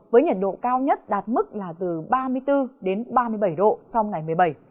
với nhiệt độ cao nhất đạt mức là từ ba mươi bốn đến ba mươi bảy độ trong ngày một mươi bảy